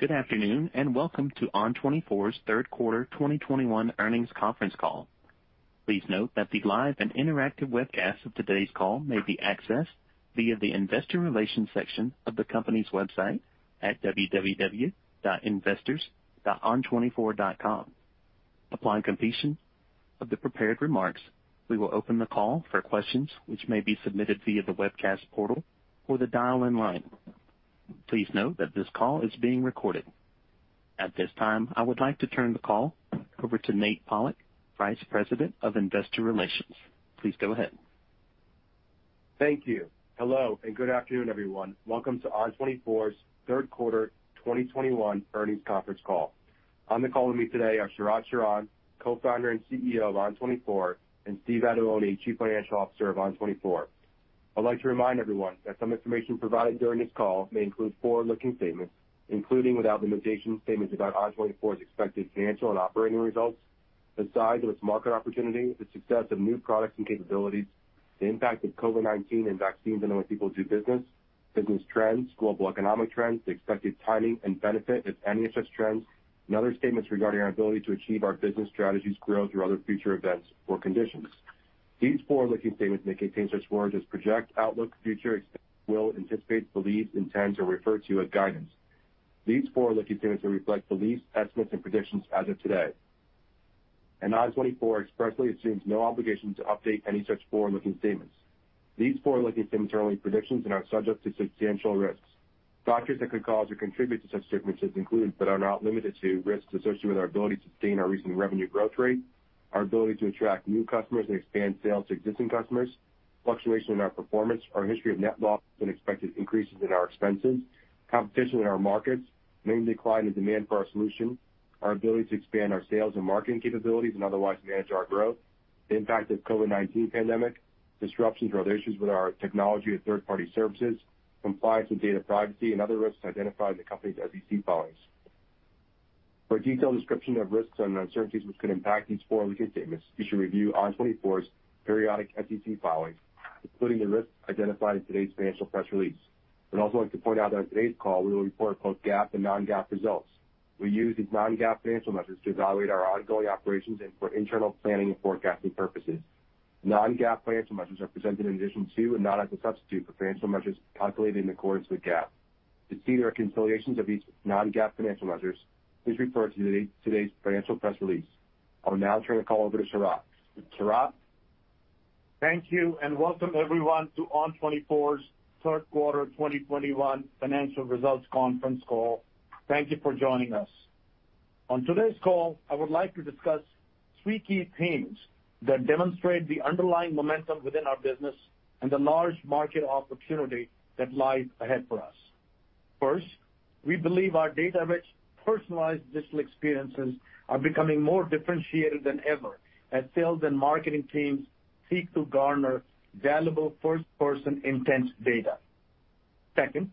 Good afternoon, and welcome to ON24's third quarter 2021 earnings conference call. Please note that the live and interactive webcast of today's call may be accessed via the investor relations section of the company's website at www.investors.on24.com. Upon completion of the prepared remarks, we will open the call for questions which may be submitted via the webcast portal or the dial-in line. Please note that this call is being recorded. At this time, I would like to turn the call over to Nate Pollack, Vice President of Investor Relations. Please go ahead. Thank you. Hello, and good afternoon, everyone. Welcome to ON24's third quarter 2021 earnings conference call. On the call with me today are Sharat Sharan, Co-Founder and CEO of ON24, and Steve Vattuone, Chief Financial Officer of ON24. I'd like to remind everyone that some information provided during this call may include forward-looking statements, including without limitation statements about ON24's expected financial and operating results, the size of its market opportunity, the success of new products and capabilities, the impact of COVID-19 and vaccines on the way people do business trends, global economic trends, the expected timing and benefit of any such trends, and other statements regarding our ability to achieve our business strategies, growth, or other future events or conditions. These forward-looking statements may contain such words as project, outlook, future, expect, will, anticipate, believe, intend, or refer to as guidance. These forward-looking statements reflect beliefs, estimates, and predictions as of today. ON24 expressly assumes no obligation to update any such forward-looking statements. These forward-looking statements are only predictions and are subject to substantial risks. Factors that could cause or contribute to such statements include, but are not limited to, risks associated with our ability to sustain our recent revenue growth rate, our ability to attract new customers and expand sales to existing customers, fluctuation in our performance, our history of net loss and expected increases in our expenses, competition in our markets, material decline in demand for our solution, our ability to expand our sales and marketing capabilities and otherwise manage our growth, the impact of COVID-19 pandemic, disruptions or other issues with our technology or third-party services, compliance with data privacy and other risks identified in the company's SEC filings. For a detailed description of risks and uncertainties which could impact these forward-looking statements, you should review ON24's periodic SEC filings, including the risks identified in today's financial press release. I'd also like to point out that on today's call, we will report both GAAP and non-GAAP results. We use these non-GAAP financial measures to evaluate our ongoing operations and for internal planning and forecasting purposes. Non-GAAP financial measures are presented in addition to and not as a substitute for financial measures calculated in accordance with GAAP. To see the reconciliations of these non-GAAP financial measures, please refer to today's financial press release. I will now turn the call over to Sharat. Sharat? Thank you, and welcome everyone to ON24's third quarter 2021 financial results conference call. Thank you for joining us. On today's call, I would like to discuss three key themes that demonstrate the underlying momentum within our business and the large market opportunity that lies ahead for us. First, we believe our data-rich, personalized digital experiences are becoming more differentiated than ever as sales and marketing teams seek to garner valuable first-person intent data. Second,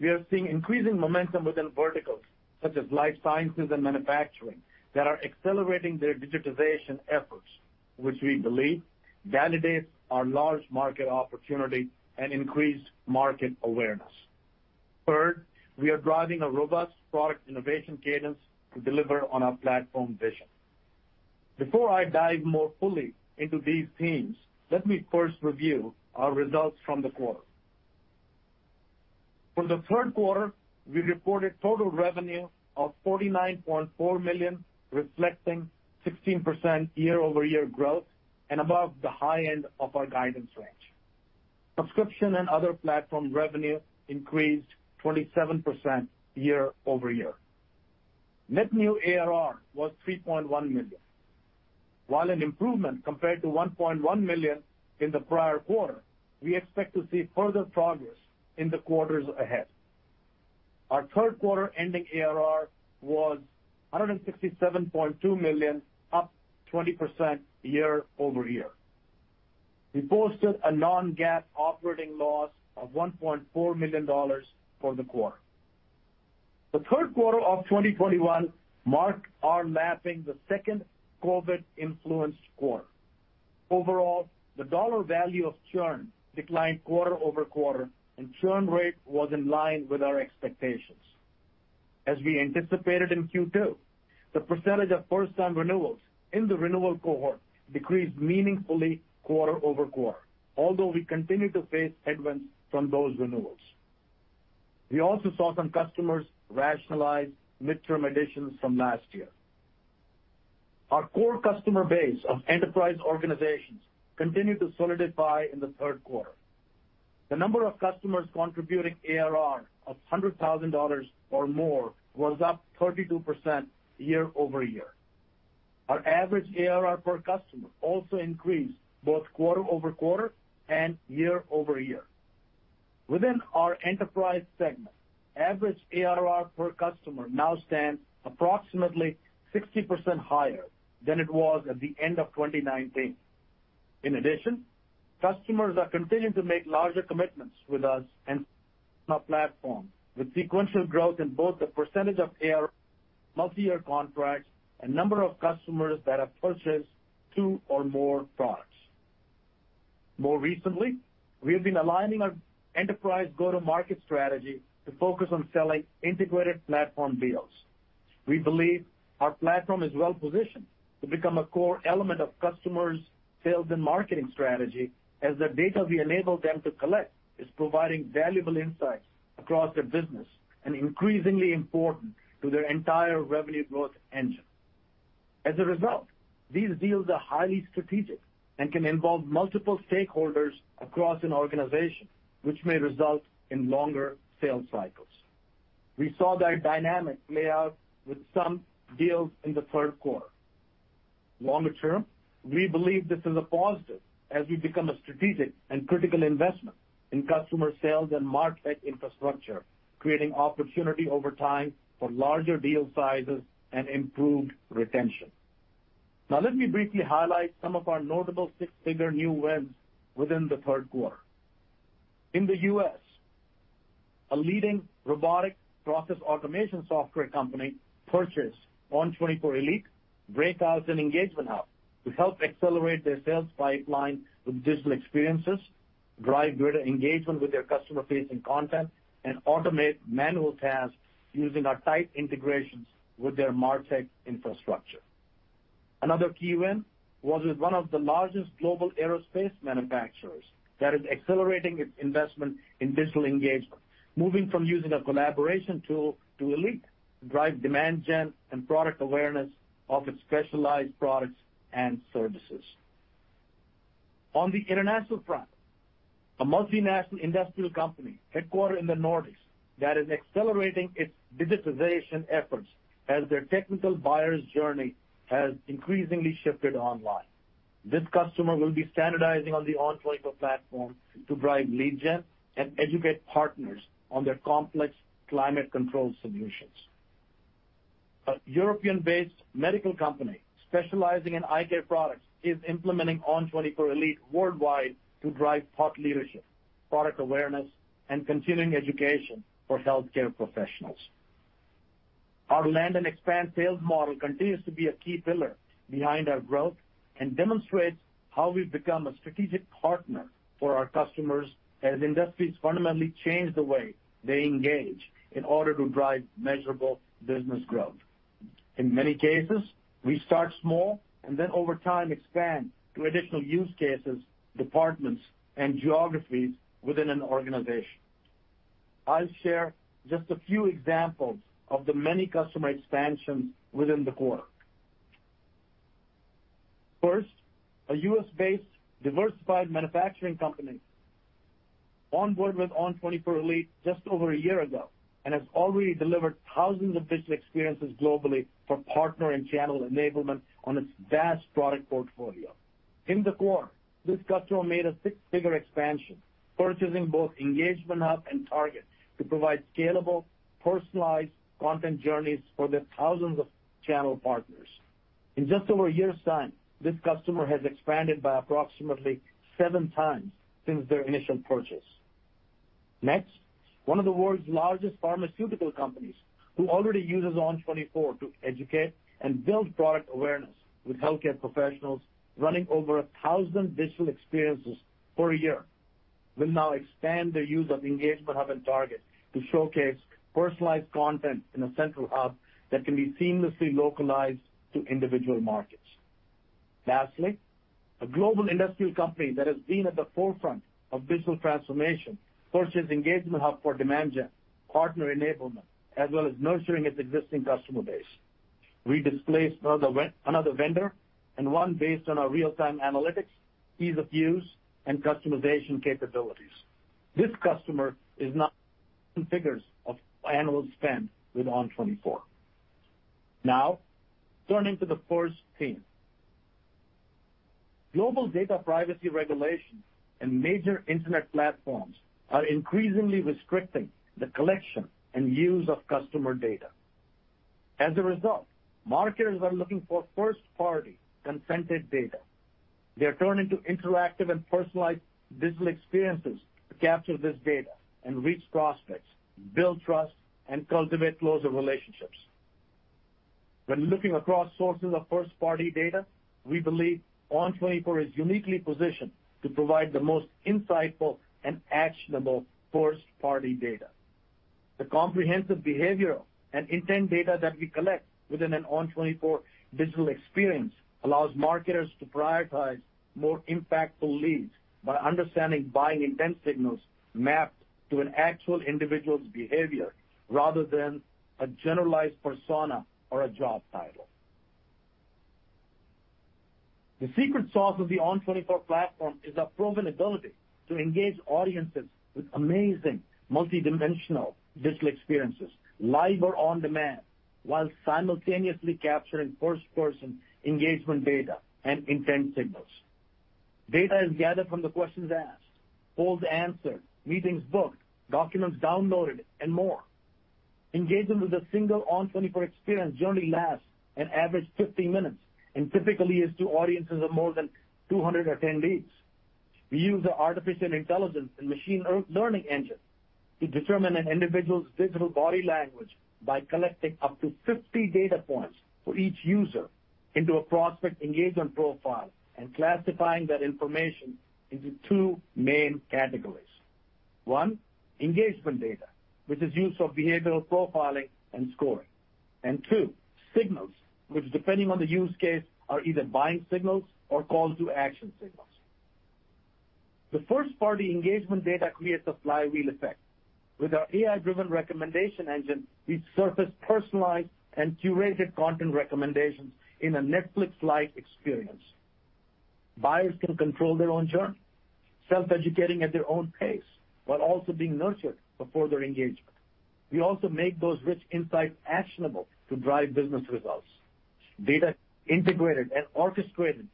we are seeing increasing momentum within verticals such as life sciences and manufacturing that are accelerating their digitization efforts, which we believe validates our large market opportunity and increased market awareness. Third, we are driving a robust product innovation cadence to deliver on our platform vision. Before I dive more fully into these themes, let me first review our results from the quarter. For the third quarter, we reported total revenue of $49.4 million, reflecting 16% year-over-year growth and above the high end of our guidance range. Subscription and other platform revenue increased 27% year-over-year. Net new ARR was $3.1 million. While an improvement compared to $1.1 million in the prior quarter, we expect to see further progress in the quarters ahead. Our third quarter ending ARR was $167.2 million, up 20% year-over-year. We posted a non-GAAP operating loss of $1.4 million for the quarter. The third quarter of 2021 marked the second COVID-influenced quarter. Overall, the dollar value of churn declined quarter-over-quarter, and churn rate was in line with our expectations. As we anticipated in Q2, the percentage of first-time renewals in the renewal cohort decreased meaningfully quarter-over-quarter, although we continue to face headwinds from those renewals. We also saw some customers rationalize midterm additions from last year. Our core customer base of enterprise organizations continued to solidify in the third quarter. The number of customers contributing ARR of $100,000 or more was up 32% year-over-year. Our average ARR per customer also increased both quarter-over-quarter and year-over-year. Within our enterprise segment, average ARR per customer now stands approximately 60% higher than it was at the end of 2019. In addition, customers are continuing to make larger commitments with us and our platform, with sequential growth in both the percentage of ARR, multi-year contracts, and number of customers that have purchased two or more products. More recently, we have been aligning our enterprise go-to-market strategy to focus on selling integrated platform deals. We believe our platform is well-positioned to become a core element of customers' sales and marketing strategy, as the data we enable them to collect is providing valuable insights across their business and increasingly important to their entire revenue growth engine. As a result, these deals are highly strategic and can involve multiple stakeholders across an organization, which may result in longer sales cycles. We saw that dynamic play out with some deals in the third quarter. Longer term, we believe this is a positive as we become a strategic and critical investment in customer sales and market infrastructure, creating opportunity over time for larger deal sizes and improved retention. Now, let me briefly highlight some of our notable six-figure new wins within the third quarter. In the U.S., a leading robotic process automation software company purchased ON24 Elite, Breakouts, and Engagement Hub to help accelerate their sales pipeline with digital experiences, drive greater engagement with their customer-facing content, and automate manual tasks using our tight integrations with their martech infrastructure. Another key win was with one of the largest global aerospace manufacturers that is accelerating its investment in digital engagement, moving from using a collaboration tool to Elite to drive demand gen and product awareness of its specialized products and services. On the international front, a multinational industrial company headquartered in the Nordics that is accelerating its digitization efforts as their technical buyer's journey has increasingly shifted online. This customer will be standardizing on the ON24 platform to drive lead gen and educate partners on their complex climate control solutions. A European-based medical company specializing in eye care products is implementing ON24 Elite worldwide to drive thought leadership, product awareness, and continuing education for healthcare professionals. Our land and expand sales model continues to be a key pillar behind our growth and demonstrates how we've become a strategic partner for our customers as industries fundamentally change the way they engage in order to drive measurable business growth. In many cases, we start small and then over time expand to additional use cases, departments, and geographies within an organization. I'll share just a few examples of the many customer expansions within the quarter. First, a U.S.-based diversified manufacturing company onboarded with ON24 Webcast Elite just over a year ago and has already delivered thousands of digital experiences globally for partner and channel enablement on its vast product portfolio. In the quarter, this customer made a six-figure expansion, purchasing both Engagement Hub and Target to provide scalable, personalized content journeys for their thousands of channel partners. In just over a year's time, this customer has expanded by approximately seven times since their initial purchase. Next, one of the world's largest pharmaceutical companies, who already uses ON24 to educate and build product awareness with healthcare professionals running over 1,000 digital experiences per year, will now expand their use of Engagement Hub and Target to showcase personalized content in a central hub that can be seamlessly localized to individual markets. Lastly, a global industrial company that has been at the forefront of digital transformation purchased Engagement Hub for demand gen, partner enablement, as well as nurturing its existing customer base. We displaced another vendor, and won based on our real-time analytics, ease of use, and customization capabilities. This customer is now in seven figures of annual spend with ON24. Now, turning to the fourth theme. Global data privacy regulations and major internet platforms are increasingly restricting the collection and use of customer data. As a result, marketers are looking for first-party consented data. They are turning to interactive and personalized digital experiences to capture this data and reach prospects, build trust, and cultivate closer relationships. When looking across sources of first-party data, we believe ON24 is uniquely positioned to provide the most insightful and actionable first-party data. The comprehensive behavioral and intent data that we collect within an ON24 digital experience allows marketers to prioritize more impactful leads by understanding buying intent signals mapped to an actual individual's behavior rather than a generalized persona or a job title. The secret sauce of the ON24 platform is our proven ability to engage audiences with amazing multidimensional digital experiences, live or on-demand, while simultaneously capturing first-person engagement data and intent signals. Data is gathered from the questions asked, polls answered, meetings booked, documents downloaded, and more. Engagement with a single ON24 experience generally lasts an average 15 minutes and typically is to audiences of more than 200 attendees. We use our artificial intelligence and machine learning engine to determine an individual's digital body language by collecting up to 50 data points for each user into a Prospect Engagement Profile and classifying that information into two main categories. One, engagement data, which is use of behavioral profiling and scoring. Two, signals, which depending on the use case, are either buying signals or call to action signals. The first-party engagement data creates a flywheel effect. With our AI-driven recommendation engine, we surface personalized and curated content recommendations in a Netflix-like experience. Buyers can control their own journey, self-educating at their own pace, while also being nurtured before their engagement. We also make those rich insights actionable to drive business results, data integrated and orchestrated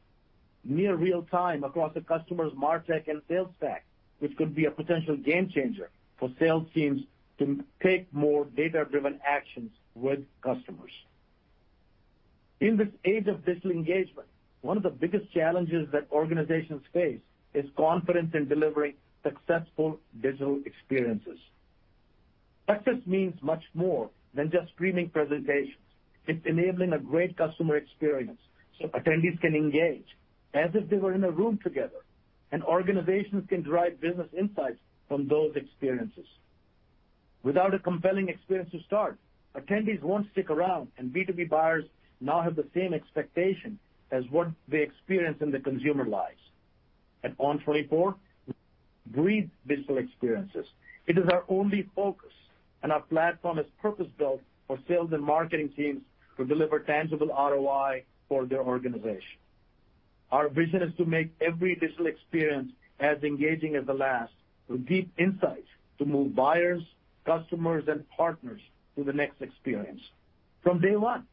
near real-time across the customer's martech and sales tech, which could be a potential game changer for sales teams to take more data-driven actions with customers. In this age of digital engagement, one of the biggest challenges that organizations face is confidence in delivering successful digital experiences. Success means much more than just streaming presentations. It's enabling a great customer experience so attendees can engage as if they were in a room together, and organizations can derive business insights from those experiences. Without a compelling experience to start, attendees won't stick around, and B2B buyers now have the same expectation as what they experience in their consumer lives. At ON24, we build digital experiences. It is our only focus, and our platform is purpose-built for sales and marketing teams to deliver tangible ROI for their organization. Our vision is to make every digital experience as engaging as the best with deep insights to move buyers, customers, and partners to the next experience. From day one,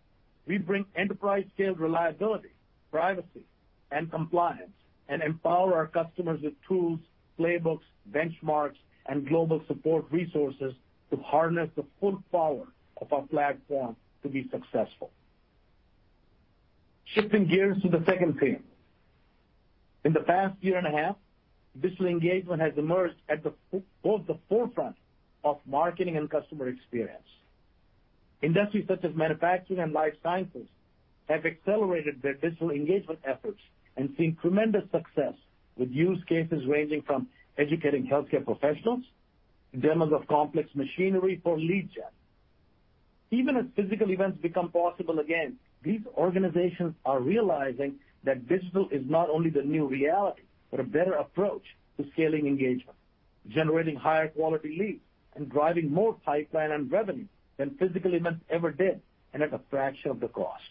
we bring enterprise-scale reliability, privacy, and compliance, and empower our customers with tools, playbooks, benchmarks, and global support resources to harness the full power of our platform to be successful. Shifting gears to the second theme. In the past year and a half, digital engagement has emerged at the forefront of marketing and customer experience. Industries such as manufacturing and life sciences have accelerated their digital engagement efforts and seen tremendous success with use cases ranging from educating healthcare professionals, demos of complex machinery for lead gen. Even as physical events become possible again, these organizations are realizing that digital is not only the new reality, but a better approach to scaling engagement, generating higher quality leads, and driving more pipeline and revenue than physical events ever did, and at a fraction of the cost.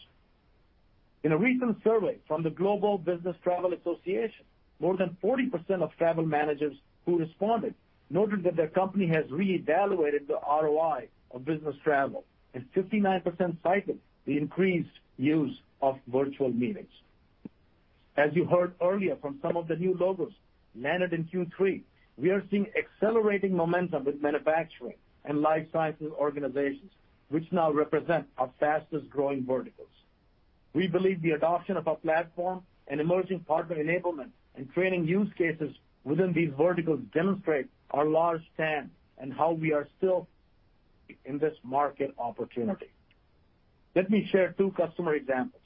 In a recent survey from the Global Business Travel Association, more than 40% of travel managers who responded noted that their company has reevaluated the ROI of business travel, and 59% cited the increased use of virtual meetings. As you heard earlier from some of the new logos landed in Q3, we are seeing accelerating momentum with manufacturing and life sciences organizations, which now represent our fastest-growing verticals. We believe the adoption of our platform and emerging partner enablement and training use cases within these verticals demonstrate our large TAM and how we are still in this market opportunity. Let me share two customer examples.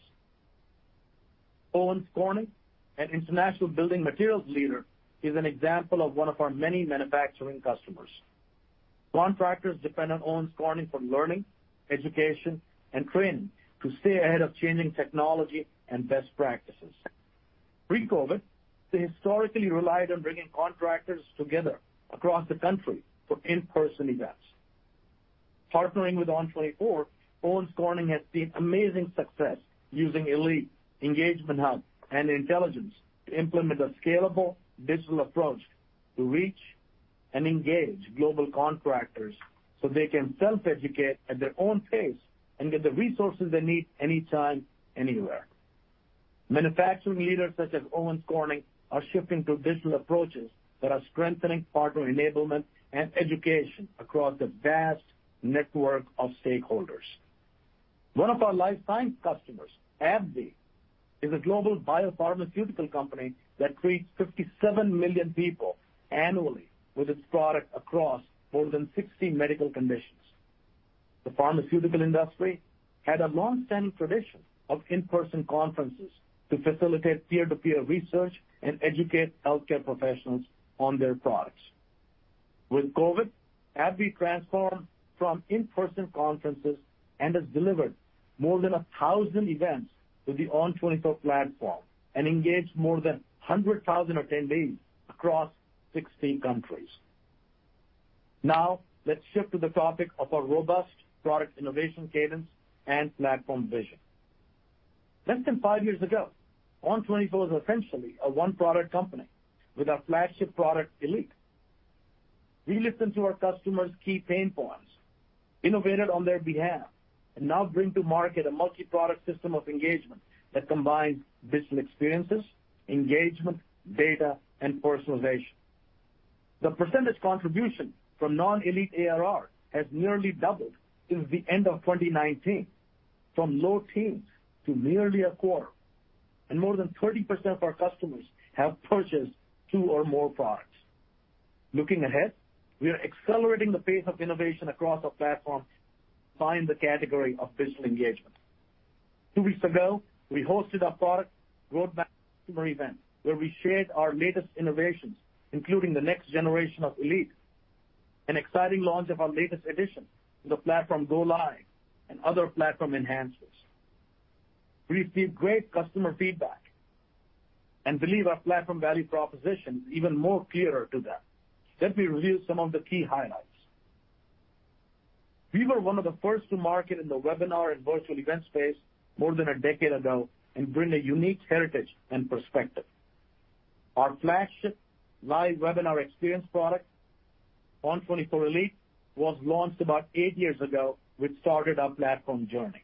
Owens Corning, an international building materials leader, is an example of one of our many manufacturing customers. Contractors depend on Owens Corning for learning, education, and training to stay ahead of changing technology and best practices. Pre-COVID, they historically relied on bringing contractors together across the country for in-person events. Partnering with ON24, Owens Corning has seen amazing success using Elite, Engagement Hub, and Intelligence to implement a scalable digital approach to reach and engage global contractors so they can self-educate at their own pace and get the resources they need anytime, anywhere. Manufacturing leaders such as Owens Corning are shifting to digital approaches that are strengthening partner enablement and education across a vast network of stakeholders. One of our life science customers, AbbVie, is a global biopharmaceutical company that treats 57 million people annually with its product across more than 60 medical conditions. The pharmaceutical industry had a long-standing tradition of in-person conferences to facilitate peer-to-peer research and educate healthcare professionals on their products. With COVID, AbbVie transformed from in-person conferences and has delivered more than 1,000 events through the ON24 platform and engaged more than 100,000 attendees across 60 countries. Now, let's shift to the topic of our robust product innovation cadence and platform vision. Less than five years ago, ON24 was essentially a one-product company with our flagship product, Elite. We listened to our customers' key pain points, innovated on their behalf, and now bring to market a multi-product system of engagement that combines digital experiences, engagement, data, and personalization. The percentage contribution from non-Elite ARR has nearly doubled since the end of 2019 from low teens to nearly a quarter. More than 30% of our customers have purchased two or more products. Looking ahead, we are accelerating the pace of innovation across our platform to define the category of digital engagement. Two weeks ago, we hosted our product roadmap customer event, where we shared our latest innovations, including the next generation of Elite, an exciting launch of our latest addition to the platform, Go Live, and other platform enhancers. We received great customer feedback and believe our platform value proposition is even more clearer to them. Let me review some of the key highlights. We were one of the first to market in the webinar and virtual event space more than a decade ago and bring a unique heritage and perspective. Our flagship live webinar experience product, ON24 Elite, was launched about eight years ago, which started our platform journey.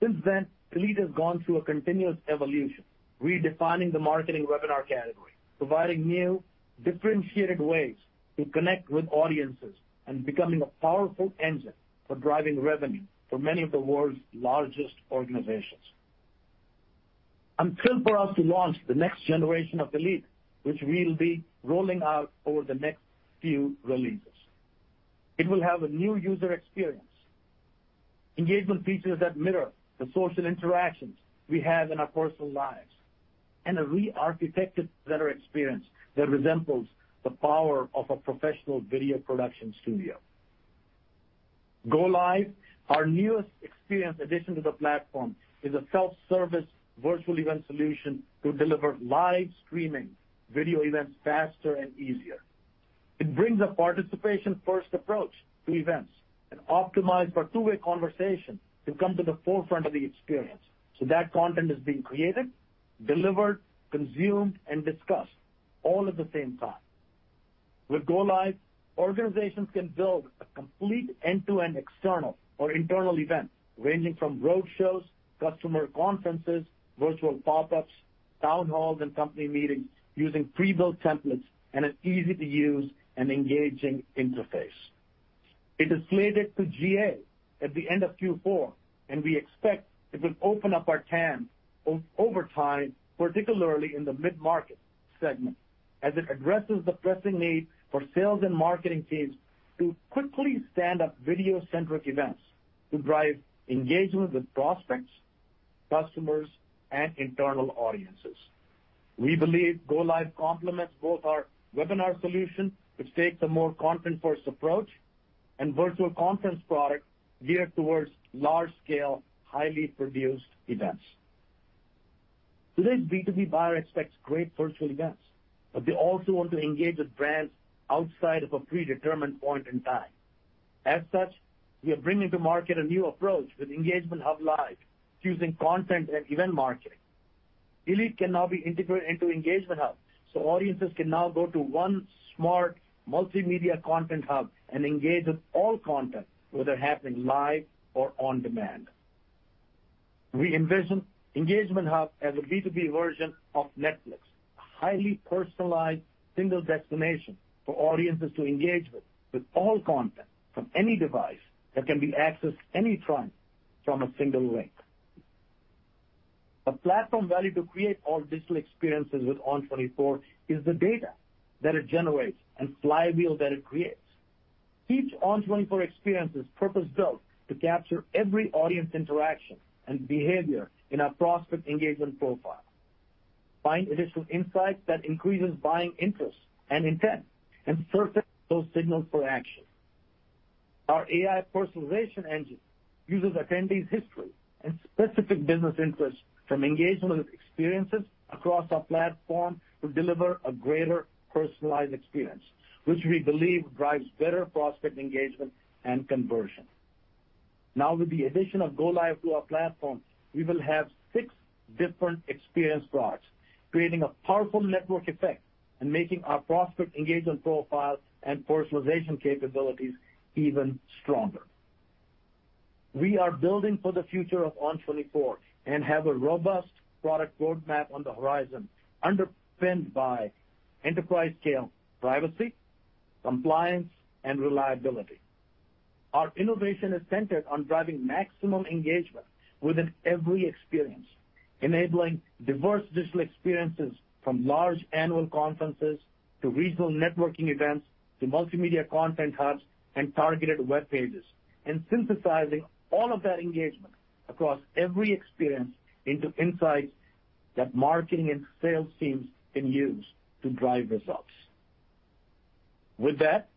Since then, Elite has gone through a continuous evolution, redefining the marketing webinar category, providing new differentiated ways to connect with audiences, and becoming a powerful engine for driving revenue for many of the world's largest organizations. I'm thrilled for us to launch the next generation of Elite, which we'll be rolling out over the next few releases. It will have a new user experience, engagement features that mirror the social interactions we have in our personal lives, and a re-architected presenter experience that resembles the power of a professional video production studio. Go Live, our newest experience addition to the platform, is a self-service virtual event solution to deliver live streaming video events faster and easier. It brings a participation-first approach to events and optimized for two-way conversation to come to the forefront of the experience. That content is being created, delivered, consumed, and discussed all at the same time. With Go Live, organizations can build a complete end-to-end external or internal event, ranging from road shows, customer conferences, virtual pop-ups, town halls, and company meetings using pre-built templates and an easy-to-use and engaging interface. It is slated to GA at the end of Q4, and we expect it will open up our TAM over time, particularly in the mid-market segment, as it addresses the pressing need for sales and marketing teams to quickly stand up video-centric events to drive engagement with prospects, customers, and internal audiences. We believe Go Live complements both our webinar solution, which takes a more content-first approach, and virtual conference product geared towards large-scale, highly produced events. Today's B2B buyer expects great virtual events, but they also want to engage with brands outside of a predetermined point in time. As such, we are bringing to market a new approach with Engagement Hub Live, fusing content and event marketing. Elite can now be integrated into Engagement Hub, so audiences can now go to one smart multimedia content hub and engage with all content, whether happening live or on demand. We envision Engagement Hub as a B2B version of Netflix, a highly personalized single destination for audiences to engage with all content from any device that can be accessed any time from a single link. A platform value to create all digital experiences with ON24 is the data that it generates and flywheel that it creates. Each ON24 experience is purpose-built to capture every audience interaction and behavior in our prospect engagement profile, find additional insights that increases buying interest and intent, and surface those signals for action. Our AI personalization engine uses attendees' history and specific business interests from engagement experiences across our platform to deliver a greater personalized experience, which we believe drives better prospect engagement and conversion. Now, with the addition of Go Live to our platform, we will have six different experience products, creating a powerful network effect and making our prospect engagement profile and personalization capabilities even stronger. We are building for the future of ON24 and have a robust product roadmap on the horizon, underpinned by enterprise-scale privacy, compliance, and reliability. Our innovation is centered on driving maximum engagement within every experience, enabling diverse digital experiences from large annual conferences to regional networking events to multimedia content hubs and targeted web pages, and synthesizing all of that engagement across every experience into insights that marketing and sales teams can use to drive results. With that,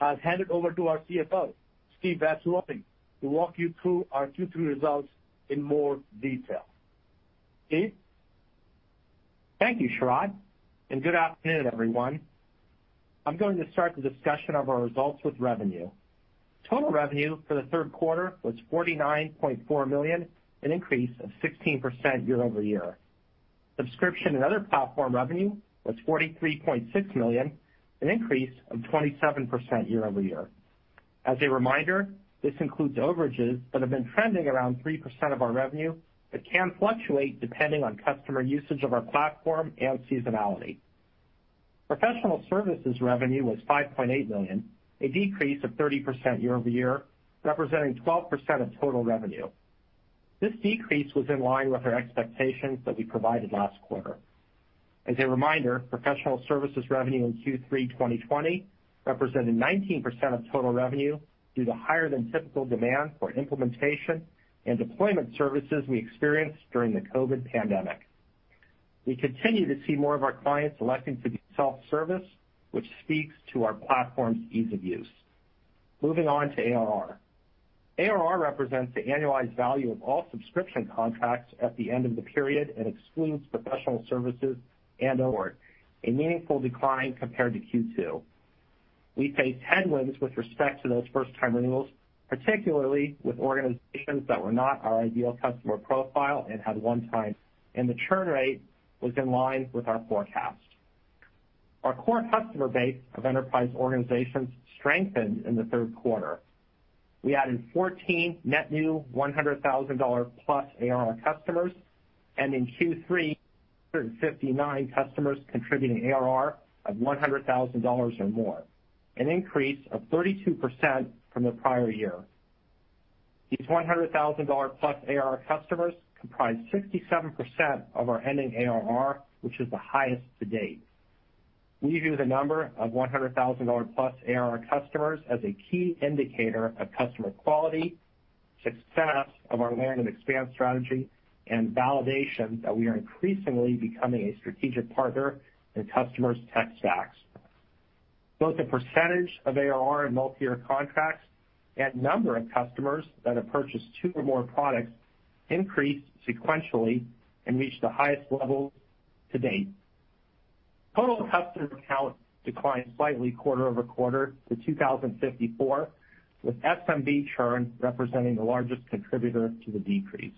I'll hand it over to our CFO, Steve Vattuone, to walk you through our Q3 results in more detail. Steve. Thank you, Sharat, and good afternoon, everyone. I'm going to start the discussion of our results with revenue. Total revenue for the third quarter was $49.4 million, an increase of 16% year-over-year. Subscription and other platform revenue was $43.6 million, an increase of 27% year-over-year. As a reminder, this includes overages that have been trending around 3% of our revenue, but can fluctuate depending on customer usage of our platform and seasonality. Professional services revenue was $5.8 million, a decrease of 30% year-over-year, representing 12% of total revenue. This decrease was in line with our expectations that we provided last quarter. As a reminder, professional services revenue in Q3 2020 represented 19% of total revenue due to higher than typical demand for implementation and deployment services we experienced during the COVID pandemic. We continue to see more of our clients electing to be self-service, which speaks to our platform's ease of use. Moving on to ARR. ARR represents the annualized value of all subscription contracts at the end of the period and excludes professional services and other, a meaningful decline compared to Q2. We faced headwinds with respect to those first-time renewals, particularly with organizations that were not our ideal customer profile and had one-time, and the churn rate was in line with our forecast. Our core customer base of enterprise organizations strengthened in the third quarter. We added 14 net new $100,000+ ARR customers, and in Q3, 359 customers contributing ARR of $100,000 or more, an increase of 32% from the prior year. These $100,000+ ARR customers comprise 67% of our ending ARR, which is the highest to date. We view the number of $100,000+ ARR customers as a key indicator of customer quality, success of our land and expand strategy, and validation that we are increasingly becoming a strategic partner in customers' tech stacks. Both the percentage of ARR and multi-year contracts and number of customers that have purchased two or more products increased sequentially and reached the highest levels to date. Total customer accounts declined slightly quarter-over-quarter to 2,054, with SMB churn representing the largest contributor to the decrease.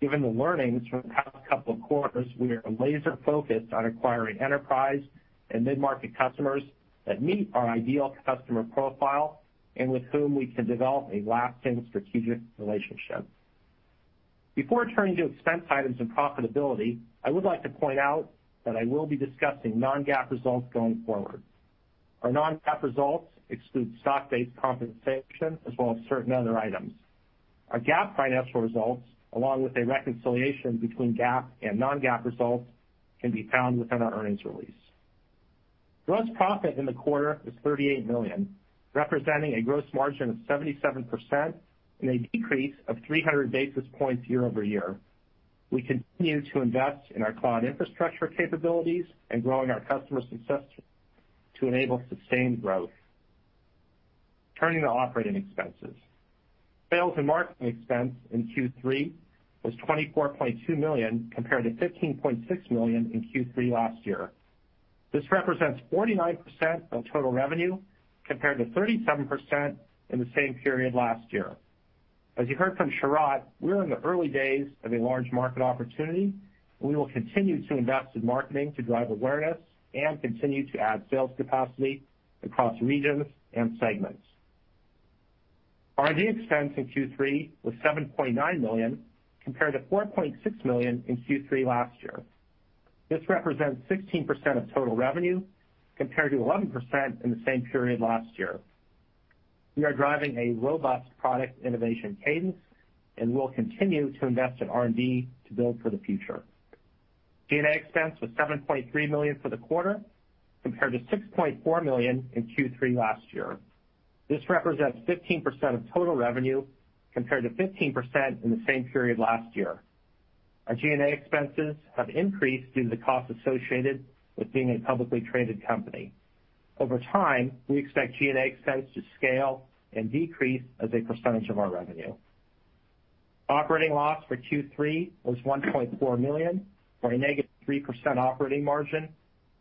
Given the learnings from the past couple of quarters, we are laser-focused on acquiring enterprise and mid-market customers that meet our ideal customer profile and with whom we can develop a lasting strategic relationship. Before turning to expense items and profitability, I would like to point out that I will be discussing non-GAAP results going forward. Our non-GAAP results exclude stock-based compensation as well as certain other items. Our GAAP financial results, along with a reconciliation between GAAP and non-GAAP results, can be found within our earnings release. Gross profit in the quarter was $38 million, representing a gross margin of 77% and a decrease of 300 basis points year-over-year. We continue to invest in our cloud infrastructure capabilities and growing our customer success to enable sustained growth. Turning to operating expenses. Sales and marketing expense in Q3 was $24.2 million compared to $15.6 million in Q3 last year. This represents 49% of total revenue compared to 37% in the same period last year. As you heard from Sharat, we are in the early days of a large market opportunity, and we will continue to invest in marketing to drive awareness and continue to add sales capacity across regions and segments. R&D expense in Q3 was $7.9 million compared to $4.6 million in Q3 last year. This represents 16% of total revenue compared to 11% in the same period last year. We are driving a robust product innovation cadence and will continue to invest in R&D to build for the future. G&A expense was $7.3 million for the quarter compared to $6.4 million in Q3 last year. This represents 15% of total revenue compared to 15% in the same period last year. Our G&A expenses have increased due to the cost associated with being a publicly traded company. Over time, we expect G&A expense to scale and decrease as a percentage of our revenue. Operating loss for Q3 was $1.4 million or a negative 3% operating margin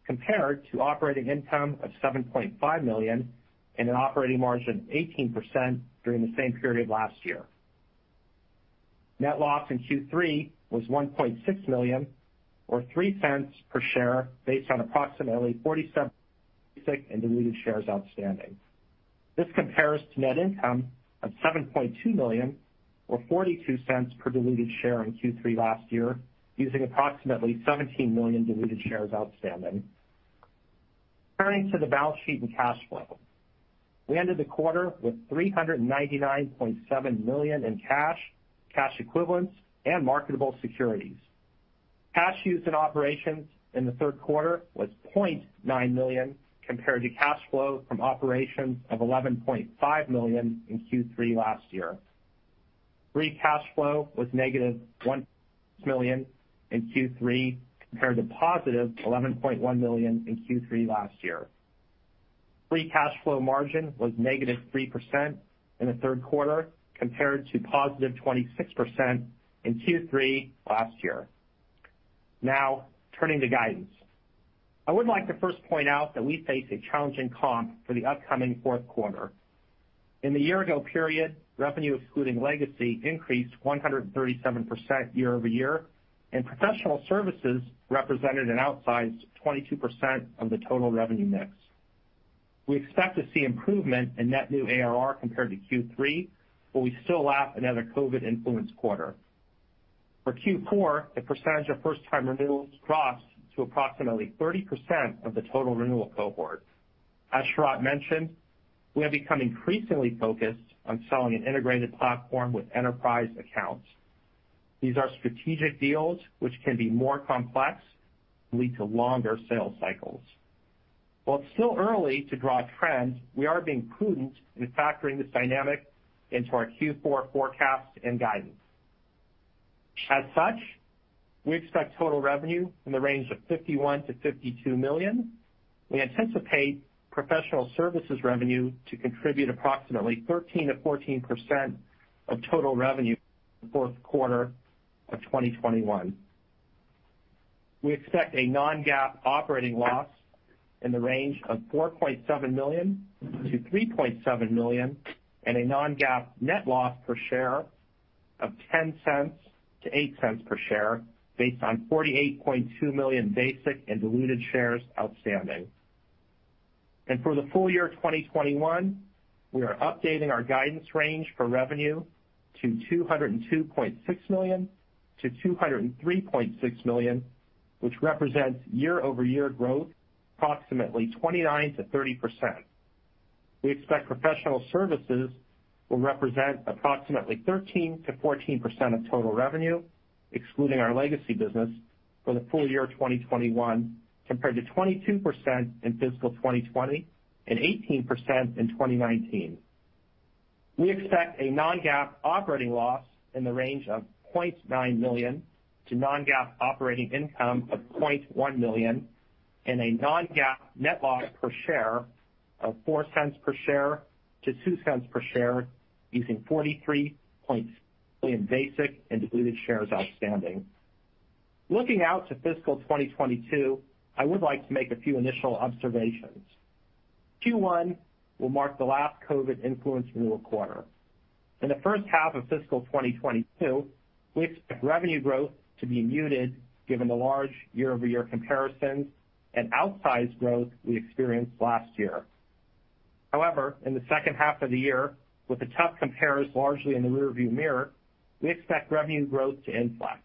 compared to operating income of $7.5 million and an operating margin of 18% during the same period last year. Net loss in Q3 was $1.6 million or $0.03 per share based on approximately 47 basic and diluted shares outstanding. This compares to net income of $7.2 million or $0.42 per diluted share in Q3 last year using approximately 17 million diluted shares outstanding. Turning to the balance sheet and cash flow. We ended the quarter with $399.7 million in cash equivalents and marketable securities. Cash used in operations in the third quarter was $0.9 million compared to cash flow from operations of $11.5 million in Q3 last year. Free cash flow was -$1 million in Q3 compared to positive $11.1 million in Q3 last year. Free cash flow margin was -3% in the third quarter compared to positive 26% in Q3 last year. Now, turning to guidance. I would like to first point out that we face a challenging comp for the upcoming fourth quarter. In the year-ago period, revenue excluding Legacy increased 137% year-over-year, and professional services represented an outsized 22% of the total revenue mix. We expect to see improvement in net new ARR compared to Q3, but we still lap another COVID-19-influenced quarter. For Q4, the percentage of first time renewals dropped to approximately 30% of the total renewal cohort. As Sharat mentioned, we have become increasingly focused on selling an integrated platform with enterprise accounts. These are strategic deals which can be more complex and lead to longer sales cycles. While it's still early to draw trends, we are being prudent in factoring this dynamic into our Q4 forecast and guidance. As such, we expect total revenue in the range of $51 million-$52 million. We anticipate professional services revenue to contribute approximately 13%-14% of total revenue in the fourth quarter of 2021. We expect a non-GAAP operating loss in the range of $4.7 million-$3.7 million, and a non-GAAP net loss per share of $0.10-$0.08 per share based on 48.2 million basic and diluted shares outstanding. For the full year of 2021, we are updating our guidance range for revenue to $202.6 million-$203.6 million, which represents year-over-year growth approximately 29%-30%. We expect professional services will represent approximately 13%-14% of total revenue, excluding our legacy business for the full year of 2021, compared to 22% in fiscal 2020 and 18% in 2019. We expect a non-GAAP operating loss in the range of $0.9 million to non-GAAP operating income of $0.1 million and a non-GAAP net loss per share of $0.04 to $0.02 using 43 million basic and diluted shares outstanding. Looking out to fiscal 2022, I would like to make a few initial observations. Q1 will mark the last COVID influenced renewal quarter. In the first half of fiscal 2022, we expect revenue growth to be muted given the large year-over-year comparisons and outsized growth we experienced last year. However, in the second half of the year, with the tough compares largely in the rearview mirror, we expect revenue growth to inflect.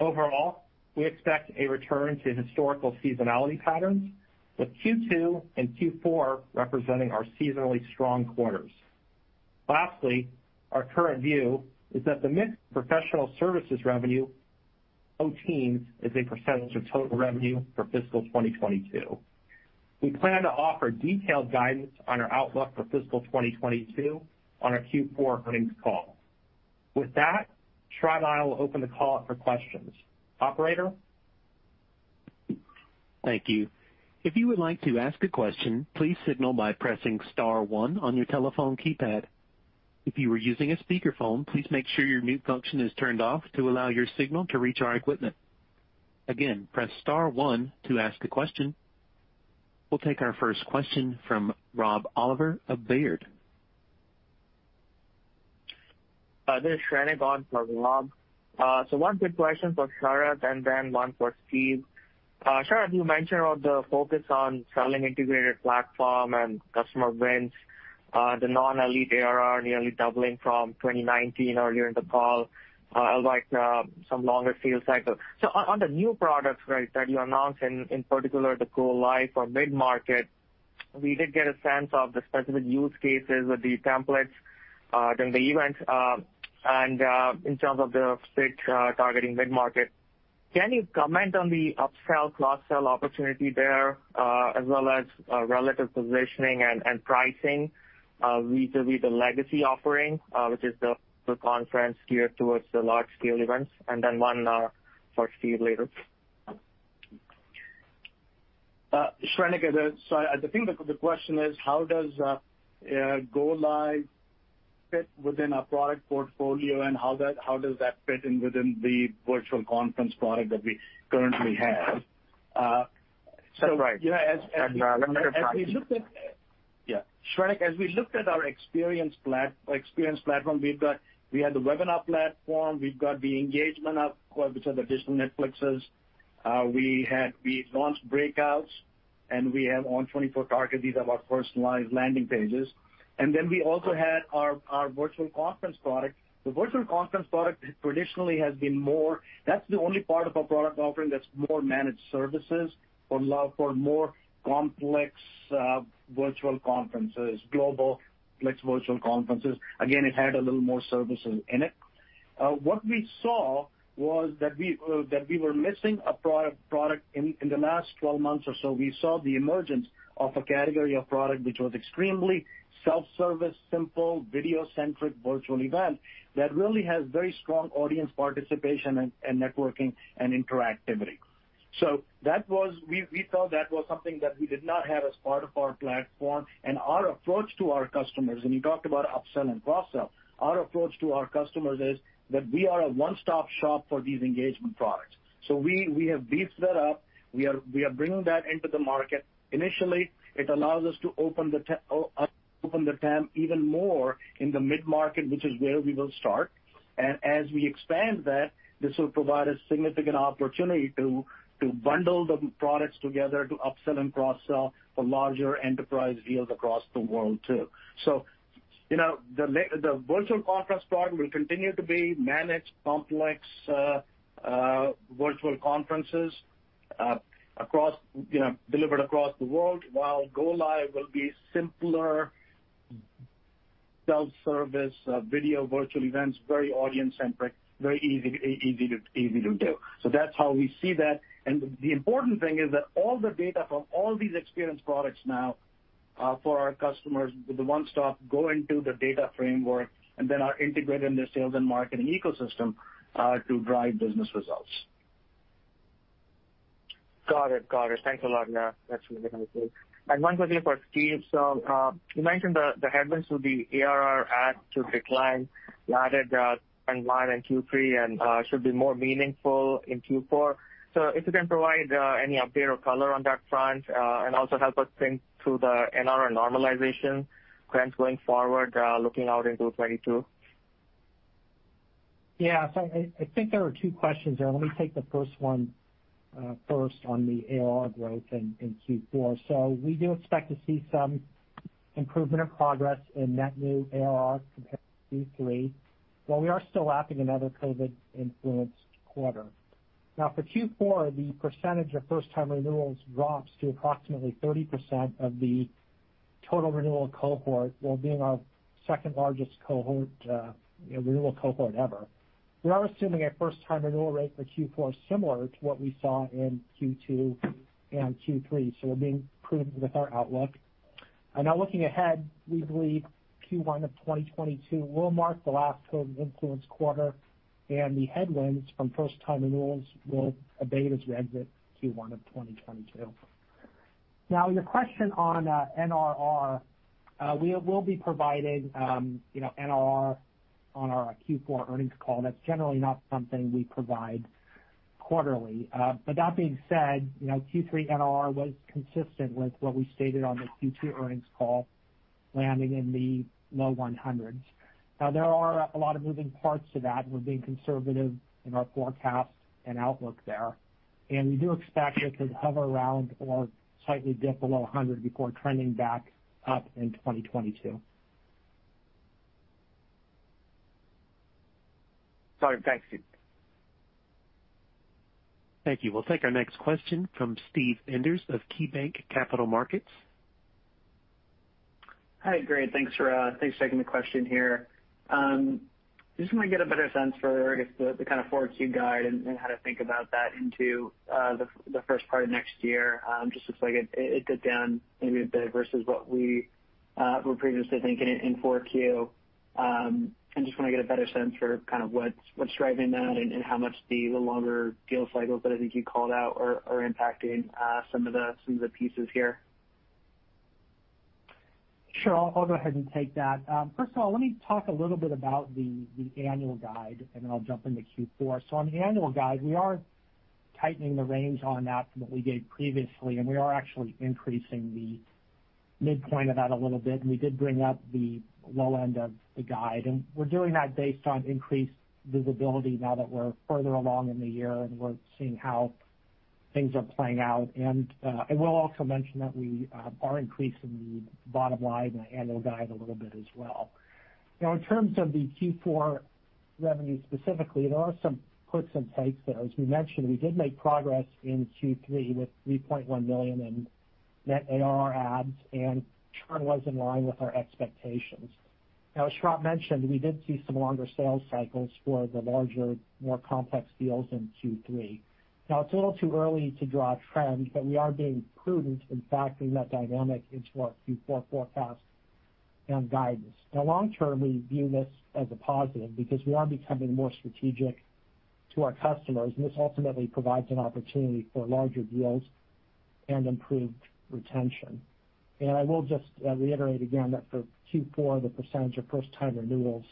Overall, we expect a return to historical seasonality patterns, with Q2 and Q4 representing our seasonally strong quarters. Lastly, our current view is that the mix of professional services revenue low teens of total revenue for fiscal 2022. We plan to offer detailed guidance on our outlook for fiscal 2022 on our Q4 earnings call. With that, Sharat and I will open the call up for questions. Operator? Thank you. If you would like to ask a question, please signal by pressing star one on your telephone keypad. If you are using a speakerphone, please make sure your mute function is turned off to allow your signal to reach our equipment. Again, press star one to ask a question. We'll take our first question from Rob Oliver of Baird. This is Shrenik on for Rob. One quick question for Sharat and then O for Steve. Sharat, you mentioned the focus on selling integrated platform and customer wins, the non-Elite ARR nearly doubling from 2019 earlier in the call, like some longer sales cycles. On the new products, right, that you announced, in particular, the Go Live for mid-market, we did get a sense of the specific use cases with the templates during the event, and in terms of the fit targeting mid-market. Can you comment on the upsell, cross-sell opportunity there, as well as relative positioning and pricing vis-à-vis the legacy offering, which is the conference geared towards the large-scale events? Then one for Steve later. Shrenik, I think the question is how does Go Live fit within our product portfolio and how does that fit in within the virtual conference product that we currently have? That's right. Comparative pricing. As we looked at our experience platform, we had the webinar platform, we have the engagement platform, which are the digital Netflixes. We launched breakouts, and we have ON24 Target, these are our personalized landing pages. Then we also had our virtual conference product. The virtual conference product traditionally has been more. That's the only part of our product offering that's more managed services for more complex virtual conferences, global complex virtual conferences. Again, it had a little more services in it. What we saw was that we that we were missing a product. In the last 12 months or so, we saw the emergence of a category of product which was extremely self-service, simple, video-centric virtual event that really has very strong audience participation and networking and interactivity. We thought that was something that we did not have as part of our platform. Our approach to our customers, and you talked about upsell and cross-sell, our approach to our customers is that we are a one-stop shop for these engagement products. We have beefed that up. We are bringing that into the market. Initially, it allows us to open the TAM even more in the mid-market, which is where we will start. As we expand that, this will provide a significant opportunity to bundle the products together to upsell and cross-sell for larger enterprise deals across the world too. You know, the virtual conference product will continue to be managed complex virtual conferences across, you know, delivered across the world, while Go Live will be simpler self-service video virtual events, very audience-centric, very easy to do. That's how we see that. The important thing is that all the data from all these experience products now for our customers with the one stop go into the data framework and then are integrated in their sales and marketing ecosystem to drive business results. Got it. Thanks a lot, yeah, that's really helpful. One quickly for Steve. You mentioned the headwinds with the ARR add to decline you added in line in Q3 and should be more meaningful in Q4. If you can provide any update or color on that front and also help us think through the NRR normalization trends going forward looking out into 2022. Yeah. I think there are two questions there. Let me take the first one, first on the ARR growth in Q4. We do expect to see some improvement or progress in net new ARR compared to Q3, while we are still lapping another COVID-influenced quarter. Now, for Q4, the percentage of first time renewals drops to approximately 30% of the total renewal cohort, while being our second largest cohort, you know, renewal cohort ever. We are assuming a first time renewal rate for Q4 similar to what we saw in Q2 and Q3, so we're being prudent with our outlook. Now looking ahead, we believe Q1 of 2022 will mark the last COVID-influenced quarter, and the headwinds from first time renewals will abate as we exit Q1 of 2022. Now your question on NRR, we will be providing, you know, NRR on our Q4 earnings call. That's generally not something we provide quarterly. That being said, you know, Q3 NRR was consistent with what we stated on the Q2 earnings call, landing in the low 100s. Now there are a lot of moving parts to that, and we're being conservative in our forecasts and outlook there, and we do expect it to hover around or slightly dip below 100 before trending back up in 2022. Got it. Thanks, Steve. Thank you. We'll take our next question from Steve Enders of KeyBanc Capital Markets. Hi, great. Thanks for taking the question here. Just wanna get a better sense for, I guess, the kind of 4Q guide and how to think about that into the first part of next year. Just looks like it dipped down maybe a bit versus what we were previously thinking in 4Q. I just wanna get a better sense for kind of what's driving that and how much the longer deal cycles that I think you called out are impacting some of the pieces here. Sure. I'll go ahead and take that. First of all, let me talk a little bit about the annual guide, and then I'll jump into Q4. On the annual guide, we are tightening the range on that from what we gave previously, and we are actually increasing the midpoint of that a little bit, and we did bring up the low end of the guide. I will also mention that we are increasing the bottom line in the annual guide a little bit as well. Now, in terms of the Q4 revenue specifically, there are some puts and takes there. As we mentioned, we did make progress in Q3 with $3.1 million in net ARR adds, and churn was in line with our expectations. Now, as Sharat mentioned, we did see some longer sales cycles for the larger, more complex deals in Q3. Now it's a little too early to draw a trend, but we are being prudent in factoring that dynamic into our Q4 forecast and guidance. Now long term, we view this as a positive because we are becoming more strategic to our customers, and this ultimately provides an opportunity for larger deals and improved retention. I will just reiterate again that for Q4, the percentage of first time renewals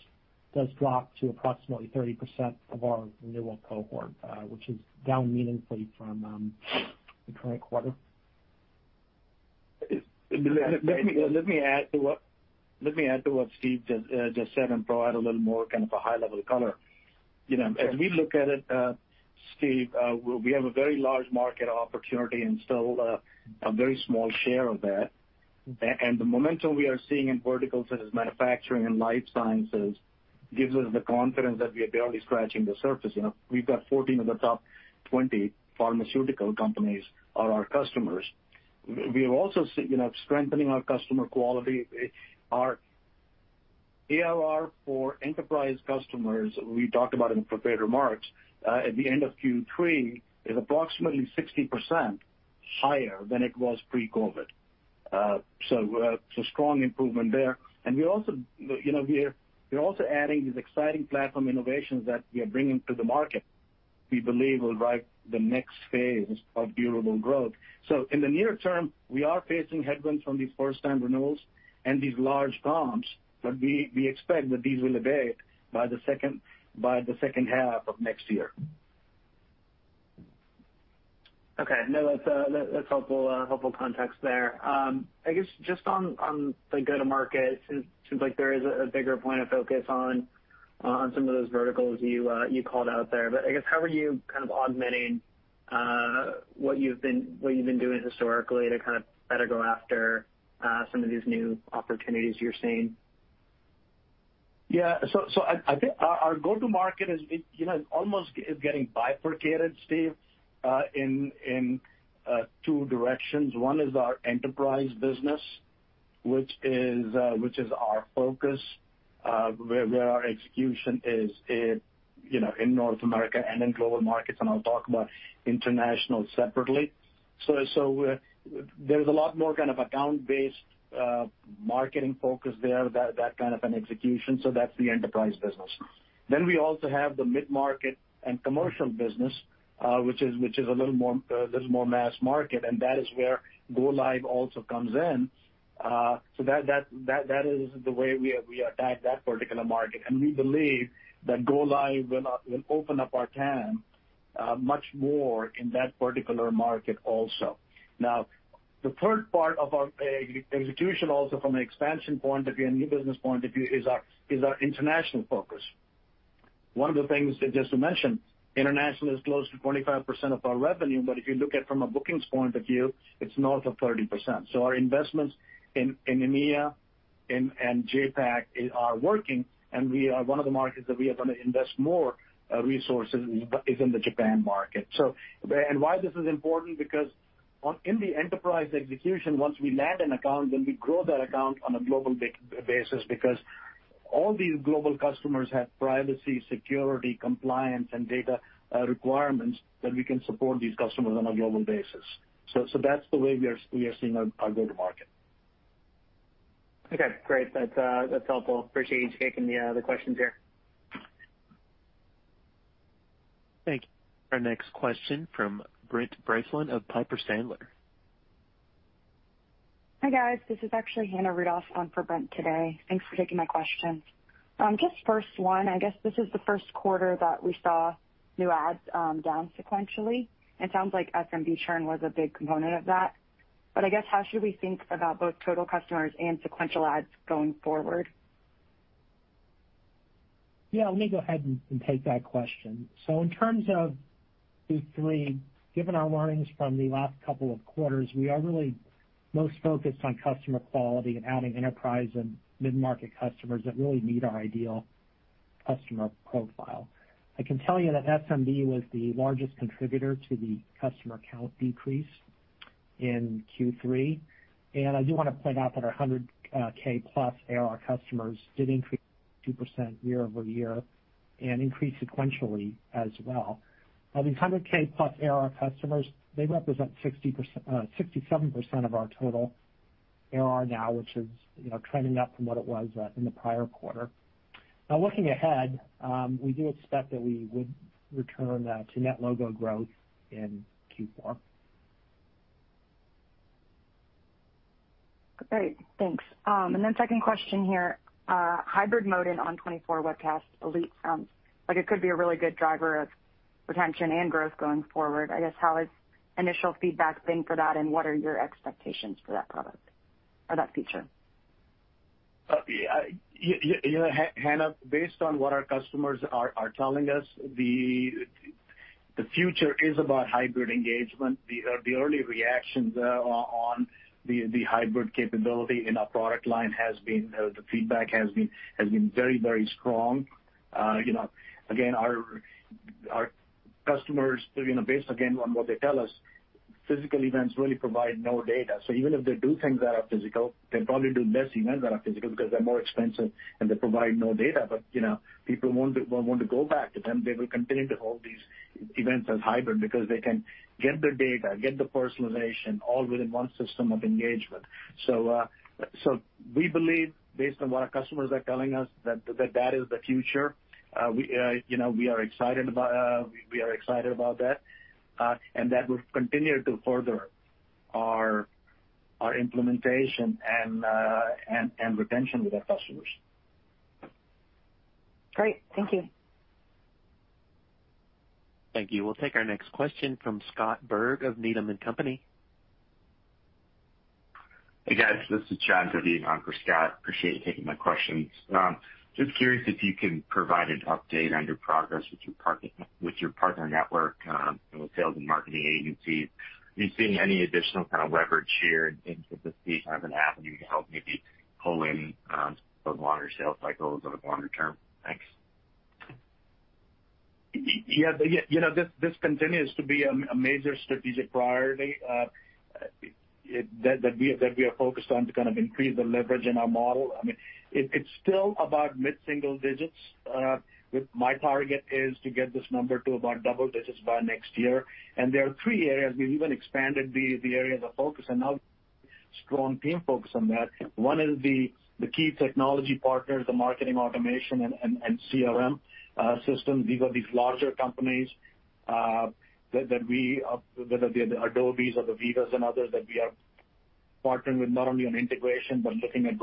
does drop to approximately 30% of our renewal cohort, which is down meaningfully from the current quarter. Let me add to what Steve just said and provide a little more kind of a high level color. You know- Sure. As we look at it, Steve, we have a very large market opportunity and still a very small share of that. The momentum we are seeing in verticals such as manufacturing and life sciences gives us the confidence that we are barely scratching the surface. You know, we've got 14 of the top 20 pharmaceutical companies are our customers. We are also, you know, strengthening our customer quality. Our ARR for enterprise customers, we talked about in prepared remarks, at the end of Q3 is approximately 60% higher than it was pre-COVID. Strong improvement there. We also, you know, we're also adding these exciting platform innovations that we are bringing to the market we believe will drive the next phase of durable growth. In the near term, we are facing headwinds from these first time renewals and these large bumps, but we expect that these will abate by the second half of next year. Okay. No, that's helpful context there. I guess just on the go-to-market, seems like there is a bigger point of focus on some of those verticals you called out there. I guess, how are you kind of augmenting? What you've been doing historically to kind of better go after some of these new opportunities you're seeing? I think our go-to market is, you know, almost getting bifurcated, Steve, in two directions. One is our enterprise business, which is our focus, where our execution is in, you know, in North America and in global markets, and I'll talk about international separately. There's a lot more kind of account-based marketing focus there, that kind of an execution. That's the enterprise business. Then we also have the mid-market and commercial business, which is a little more mass market, and that is where Go Live also comes in. That is the way we attack that particular market. We believe that Go Live will open up our TAM much more in that particular market also. Now, the third part of our execution also from an expansion point of view and new business point of view is our international focus. One of the things that just to mention, international is close to 25% of our revenue, but if you look at from a bookings point of view, it's north of 30%. Our investments in EMEA and JAPAC are working, and one of the markets that we are gonna invest more resources is in the Japan market. Why this is important, because in the enterprise execution, once we land an account, then we grow that account on a global basis, because all these global customers have privacy, security, compliance, and data requirements that we can support these customers on a global basis. That's the way we are seeing our go-to market. Okay, great. That's helpful. Appreciate you taking the questions here. Thank you. Our next question from Brent Bracelin of Piper Sandler. Hi, guys. This is actually Hannah Rudoff on for Brent today. Thanks for taking my questions. Just first one, I guess this is the first quarter that we saw new adds down sequentially. It sounds like SMB churn was a big component of that. I guess, how should we think about both total customers and sequential adds going forward? Yeah, let me go ahead and take that question. In terms of Q3, given our learnings from the last couple of quarters, we are really most focused on customer quality and adding enterprise and mid-market customers that really meet our ideal customer profile. I can tell you that SMB was the largest contributor to the customer count decrease in Q3. I do wanna point out that our 100,000+ ARR customers did increase 2% year-over-year and increased sequentially as well. Now these 100,000+ ARR customers, they represent 67% of our total ARR now, which is, you know, trending up from what it was in the prior quarter. Now looking ahead, we do expect that we would return to net logo growth in Q4. Great. Thanks. Second question here. Hybrid Mode in ON24 Webcast Elite sounds like it could be a really good driver of retention and growth going forward. I guess how has initial feedback been for that, and what are your expectations for that product or that feature? Yeah, you, Hannah, based on what our customers are telling us, the future is about hybrid engagement. The early reactions on the hybrid capability in our product line has been very strong. You know, again, our customers, you know, based again on what they tell us, physical events really provide no data. Even if they do things that are physical, they probably do less events that are physical because they're more expensive, and they provide no data. You know, people won't want to go back to them. They will continue to hold these events as hybrid because they can get the data, get the personalization all within one system of engagement. We believe based on what our customers are telling us that that is the future. You know, we are excited about that, and that will continue to further our implementation and retention with our customers. Great. Thank you. Thank you. We'll take our next question from Scott Berg of Needham & Company. Hey, guys. This is [Chad] on for Scott. Appreciate you taking my questions. Just curious if you can provide an update on your progress with your partner network, with sales and marketing agencies. Are you seeing any additional kind of leverage here in case this doesn't happen, you can help maybe pull in those longer sales cycles over the longer term? Thanks. Yeah. You know, this continues to be a major strategic priority that we are focused on to kind of increase the leverage in our model. I mean, it's still about mid-single digits. What my target is to get this number to about double digits by next year. There are three areas. We've even expanded the areas of focus and now strong team focus on that. One is the key technology partners, the marketing automation and CRM systems. These are larger companies that we are whether they're the Adobe or the Veeva and others that we are partnering with not only on integration, but looking at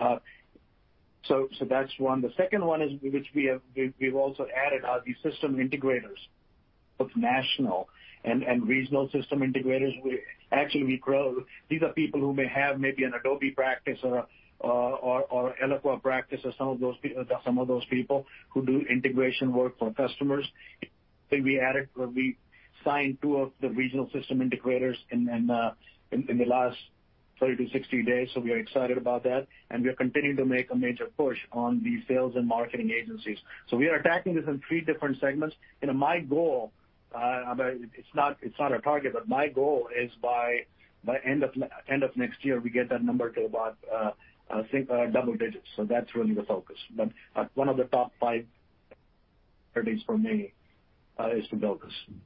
go-to-market. That's one. The second one is which we've also added are the system integrators, both national and regional system integrators. Actually, we grow. These are people who may have maybe an Adobe practice or Eloqua practice or some of those people who do integration work for customers. I think we added or we signed 2 of the regional system integrators in the last 30-60 days, so we are excited about that. We are continuing to make a major push on the sales and marketing agencies. We are attacking this in three different segments. You know, my goal, I mean, it's not a target, but my goal is by end of next year, we get that number to about, I think, double digits. That's really the focus. One of the top five priorities for me is to build this.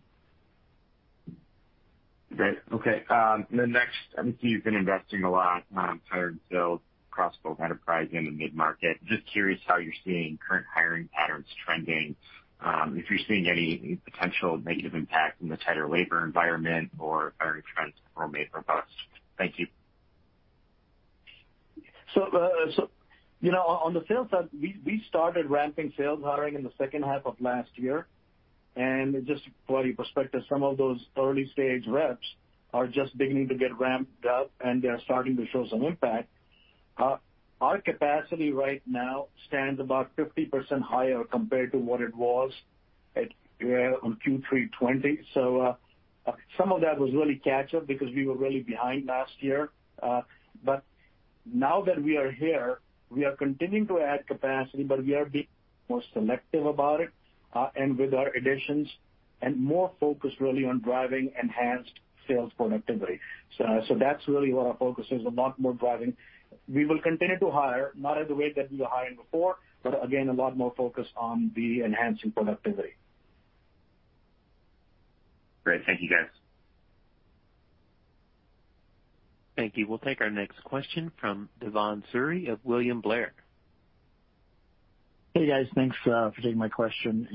Great. Okay. Next, I think you've been investing a lot in hiring and building across both enterprise and the mid-market. Just curious how you're seeing current hiring patterns trending, if you're seeing any potential negative impact from the tighter labor environment or hiring trends remain robust. Thank you. You know, on the sales side, we started ramping sales hiring in the second half of last year. Just for your perspective, some of those early-stage reps are just beginning to get ramped up, and they are starting to show some impact. Our capacity right now stands about 50% higher compared to what it was at on Q3 2020. Some of that was really catch up because we were really behind last year. Now that we are here, we are continuing to add capacity, but we are being more selective about it and with our additions, and more focused really on driving enhanced sales productivity. That's really where our focus is, a lot more driving. We will continue to hire, not at the rate that we were hiring before, but again, a lot more focused on enhancing productivity. Great. Thank you, guys. Thank you. We'll take our next question from Bhavan Suri of William Blair. Hey, guys. Thanks for taking my question.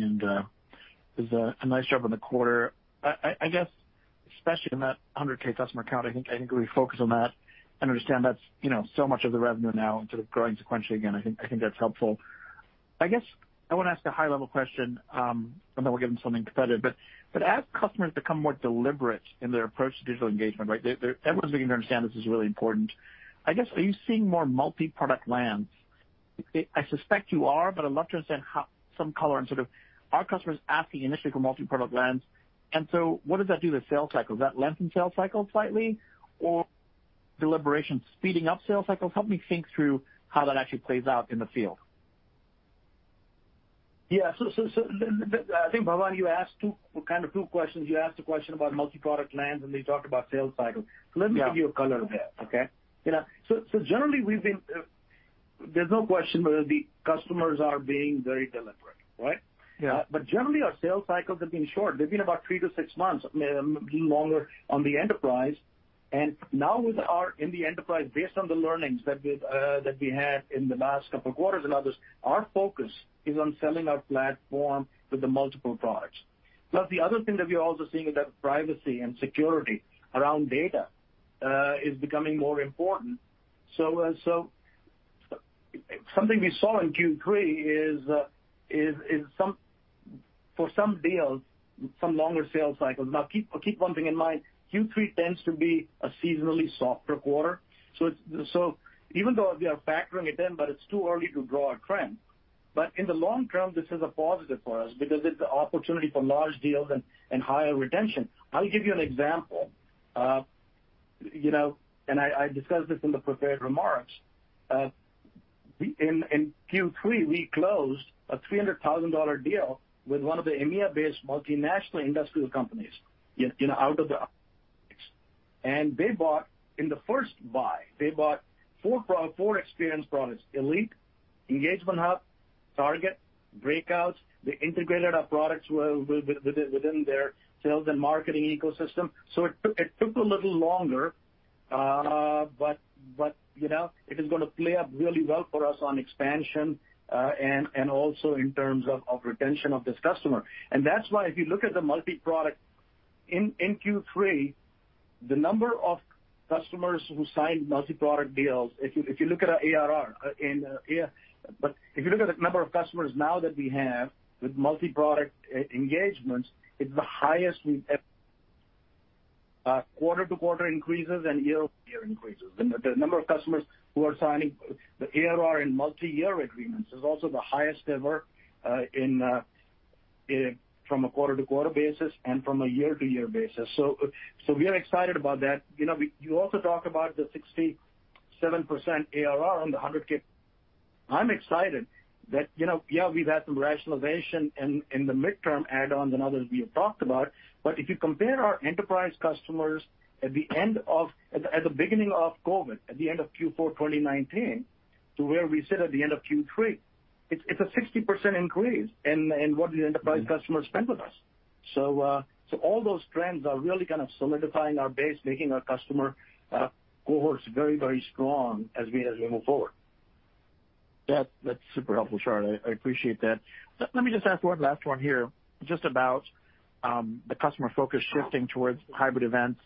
It was a nice job on the quarter. I guess, especially on that 100,000 customer count, I think we focus on that and understand that's, you know, so much of the revenue now and sort of growing sequentially again. I think that's helpful. I guess I wanna ask a high-level question, and then we'll get into something competitive. As customers become more deliberate in their approach to digital engagement, right, they're everyone's beginning to understand this is really important. I guess, are you seeing more multi-product lands? I suspect you are, but I'd love to understand how some color on sort of are customers asking initially for multi-product lands? What does that do to the sales cycle? Does that lengthen sales cycles slightly or deliberation speeding up sales cycles? Help me think through how that actually plays out in the field. I think, Bhavan, you asked two questions. You asked a question about multi-product lands, and then you talked about sales cycles. Yeah. Let me give you a color there, okay? You know, so generally, there's no question whether the customers are being very deliberate, right? Yeah. Generally, our sales cycles have been short. They've been about three to six months, a little longer on the enterprise. Now in the enterprise, based on the learnings that we had in the last couple quarters and others, our focus is on selling our platform with the multiple products. The other thing that we're also seeing is that privacy and security around data is becoming more important. Something we saw in Q3 is some longer sales cycles for some deals. Now keep one thing in mind, Q3 tends to be a seasonally softer quarter. Even though we are factoring it in, but it's too early to draw a trend, but in the long term, this is a positive for us because it's a opportunity for large deals and higher retention. I'll give you an example. I discussed this in the prepared remarks. In Q3, we closed a $300,000 deal with one of the EMEA-based multinational industrial companies, you know, out of the. They bought, in the first buy, they bought four experience products, Elite, Engagement Hub, Target, Breakouts. They integrated our products within their sales and marketing ecosystem. It took a little longer, but you know, it is gonna play out really well for us on expansion and also in terms of retention of this customer. That's why if you look at the multi-product in Q3, the number of customers who signed multi-product deals. If you look at the number of customers now that we have with multi-product engagements, it's the highest we've ever, quarter-to-quarter increases and year-over-year increases. The number of customers who are signing the ARR in multi-year agreements is also the highest ever from a quarter-to-quarter basis and from a year-over-year basis. We are excited about that. You know, you also talked about the 67% ARR on the $100K. I'm excited that, you know, yeah, we've had some rationalization in the midterm add-ons and others we have talked about, but if you compare our enterprise customers at the beginning of COVID, at the end of Q4 2019 to where we sit at the end of Q3, it's a 60% increase in what the enterprise customers spend with us. All those trends are really kind of solidifying our base, making our customer cohorts very, very strong as we move forward. That's super helpful, Shari. I appreciate that. Let me just ask one last one here, just about the customer focus shifting towards hybrid events.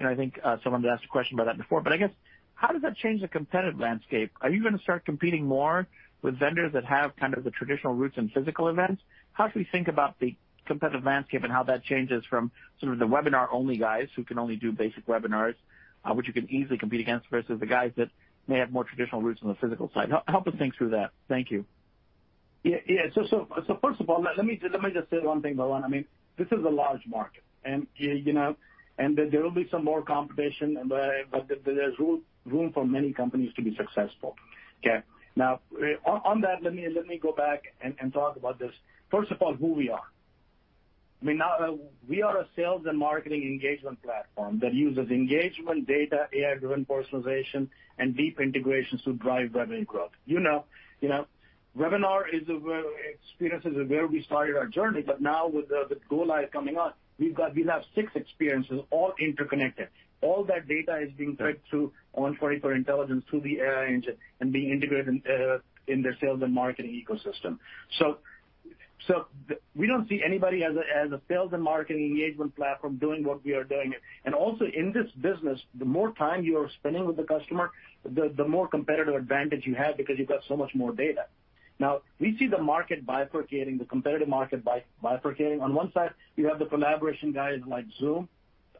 I think someone had asked a question about that before. I guess, how does that change the competitive landscape? Are you gonna start competing more with vendors that have kind of the traditional roots in physical events? How should we think about the competitive landscape and how that changes from sort of the webinar-only guys who can only do basic webinars, which you can easily compete against, versus the guys that may have more traditional roots on the physical side? Help us think through that. Thank you. Yeah. First of all, let me just say one thing, Bhavan Suri. I mean, this is a large market, and, you know, and there will be some more competition, but there's room for many companies to be successful, okay? Now, on that, let me go back and talk about this. First of all, who we are. I mean, now, we are a sales and marketing engagement platform that uses engagement data, AI-driven personalization, and deep integrations to drive revenue growth. You know, experience is where we started our journey, but now with the Go Live coming on, we have six experiences all interconnected. All that data is being fed through ON24 Intelligence through the AI engine and being integrated in the sales and marketing ecosystem. We don't see anybody as a sales and marketing engagement platform doing what we are doing. Also, in this business, the more time you are spending with the customer, the more competitive advantage you have because you've got so much more data. Now, we see the market bifurcating, the competitive market bifurcating. On one side, you have the collaboration guys like Zoom,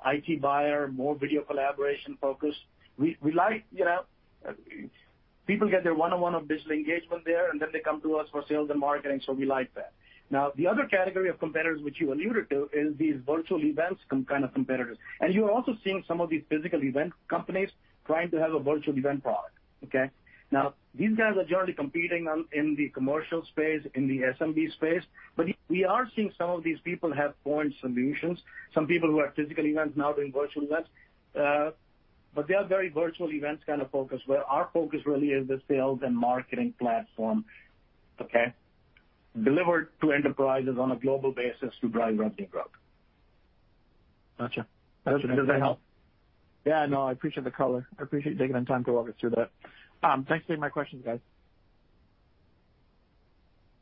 IT buyer, more video collaboration focused. We like, you know. People get their one-on-one or business engagement there, and then they come to us for sales and marketing, so we like that. Now, the other category of competitors which you alluded to is these virtual events kind of competitors. You're also seeing some of these physical event companies trying to have a virtual event product, okay? Now, these guys are generally competing in the commercial space, in the SMB space, but we are seeing some of these people have point solutions, some people who are physical events now doing virtual events, but they are very virtual events kind of focused, where our focus really is the sales and marketing platform, okay, delivered to enterprises on a global basis to drive revenue growth. Gotcha. Does that help? Yeah, no, I appreciate the color. I appreciate you taking the time to walk us through that. Thanks for taking my questions, guys.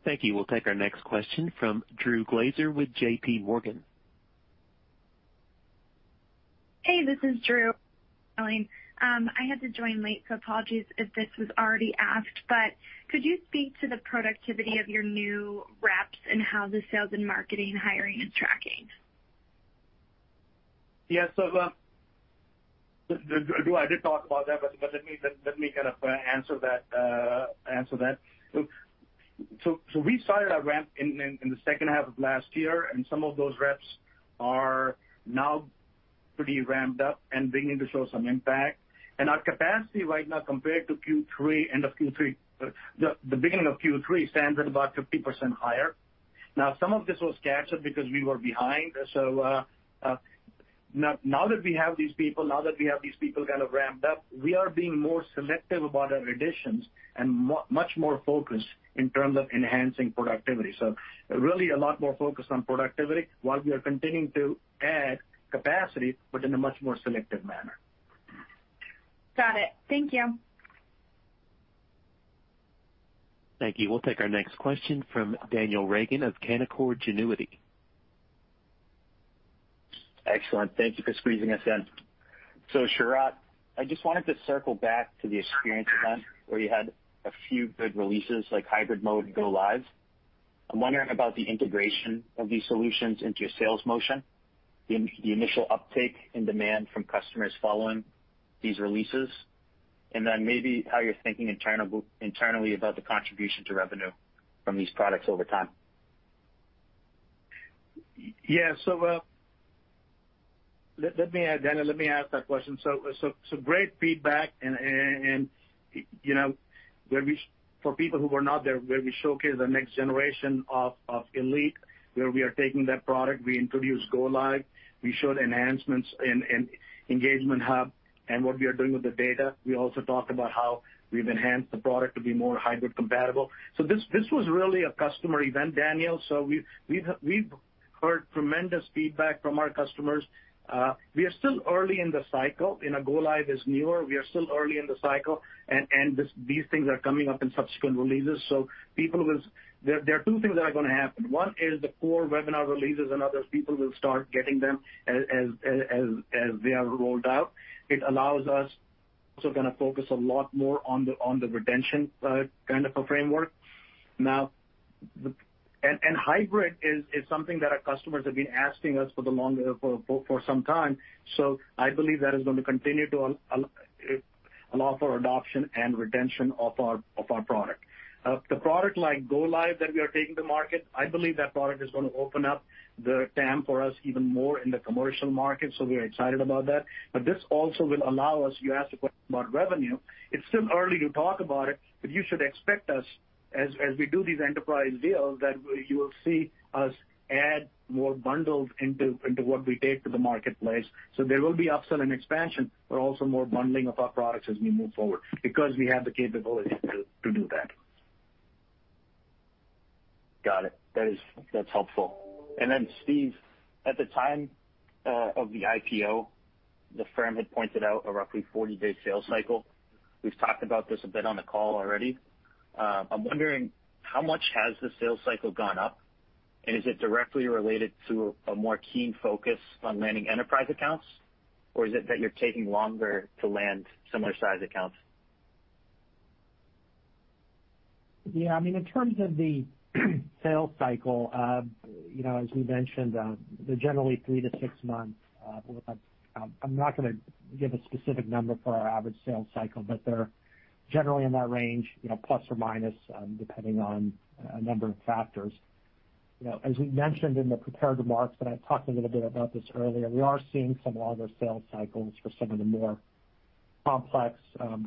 Thank you. We'll take our next question from Drew Glaeser with JPMorgan. Hey, this is Drew. I had to join late, so apologies if this was already asked, but could you speak to the productivity of your new reps and how the sales and marketing hiring is tracking? Yeah. Drew, I did talk about that, but let me kind of answer that. We started our ramp in the second half of last year, and some of those reps are now pretty ramped up and beginning to show some impact. Our capacity right now compared to Q3, end of Q3, the beginning of Q3 stands at about 50% higher. Now, some of this was captured because we were behind. Now that we have these people kind of ramped up, we are being more selective about our additions and much more focused in terms of enhancing productivity. Really a lot more focused on productivity while we are continuing to add capacity, but in a much more selective manner. Got it. Thank you. Thank you. We'll take our next question from Daniel Reagan of Canaccord Genuity. Excellent. Thank you for squeezing us in. Sharat, I just wanted to circle back to the experience event where you had a few good releases like Hybrid Mode and Go Live. I'm wondering about the integration of these solutions into your sales motion, the initial uptake in demand from customers following these releases, and then maybe how you're thinking internally about the contribution to revenue from these products over time. Yeah. Let me add, Daniel, let me add to that question. Great feedback and, you know, for people who were not there, where we showcased the next generation of Elite, where we are taking that product. We introduced Go Live, we showed enhancements in Engagement Hub and what we are doing with the data. We also talked about how we've enhanced the product to be more hybrid compatible. This was really a customer event, Daniel, so we've heard tremendous feedback from our customers. We are still early in the cycle, you know, Go Live is newer and these things are coming up in subsequent releases. People will. There are two things that are gonna happen. One is the core webinar releases, and as people will start getting them as they are rolled out, it allows us to kind of focus a lot more on the retention kind of a framework. Now, hybrid is something that our customers have been asking us for a long time, so I believe that is going to continue to allow for adoption and retention of our product. The product like Go Live that we are taking to market, I believe that product is gonna open up the TAM for us even more in the commercial market, so we are excited about that. This also will allow us. You asked a question about revenue. It's still early to talk about it, but you should expect us as we do these enterprise deals, that you will see us add more bundles into what we take to the marketplace. So there will be upsell and expansion, but also more bundling of our products as we move forward because we have the capability to do that. Got it. That's helpful. Steve, at the time of the IPO, the firm had pointed out a roughly 40-day sales cycle. We've talked about this a bit on the call already. I'm wondering how much has the sales cycle gone up, and is it directly related to a more keen focus on landing enterprise accounts, or is it that you're taking longer to land similar size accounts? Yeah. I mean, in terms of the sales cycle, you know, as we mentioned, they're generally three to six months. I'm not gonna give a specific number for our average sales cycle, but they're generally in that range, you know, plus or minus, depending on a number of factors. You know, as we mentioned in the prepared remarks, and I talked a little bit about this earlier, we are seeing some longer sales cycles for some of the more complex